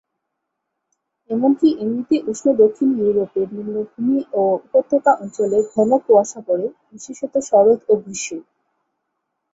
এমনকি এমনিতে উষ্ণ দক্ষিণ ইউরোপের নিম্নভূমি ও উপত্যকা অঞ্চলে ঘন কুয়াশা পড়ে, বিশেষত শরৎ ও গ্রীষ্মে।